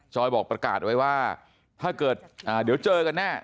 บอกประกาศไว้ว่าถ้าเกิดเดี๋ยวเจอกันแน่